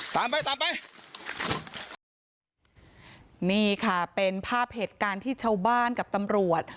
ตามไปตามไปนี่ค่ะเป็นภาพเหตุการณ์ที่ชาวบ้านกับตำรวจ